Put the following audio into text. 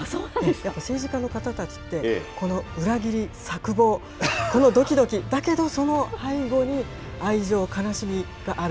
やっぱ政治家の方たちって、この裏切り、策謀、このどきどき、だけどその背後に愛情、悲しみがある。